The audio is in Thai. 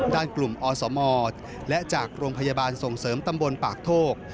ด้านกลุ่มอสมและจากโรงพยาบาลส่งเสริมตำบลปากโทก